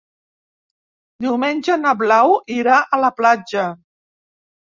Diumenge na Blau irà a la platja.